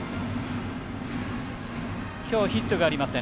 今日、ヒットがありません